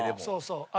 そうそう。